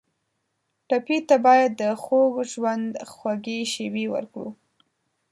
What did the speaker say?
ټپي ته باید د خوږ ژوند خوږې شېبې ورکړو.